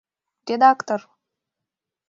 Редактор!